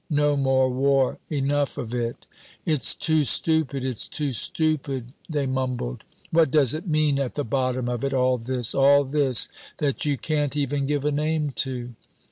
No more war! Enough of it!" "It's too stupid it's too stupid," they mumbled. "What does it mean, at the bottom of it, all this? all this that you can't even give a name to?"